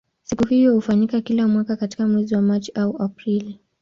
Siku hiyo hufanyika kila mwaka katika mwezi wa Machi au Aprili.